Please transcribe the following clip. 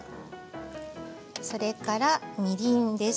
それから、みりんです。